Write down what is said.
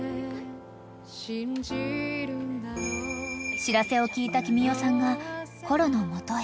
［知らせを聞いた君代さんがコロの元へ］